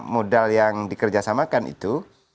modal yang dikerjasamakan itu